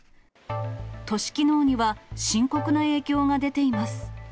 都市機能には深刻な影響が出ています。